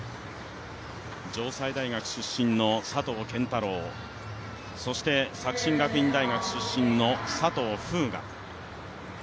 城西大学出身の佐藤拳太郎、そして作新学院大学出身の佐藤風雅。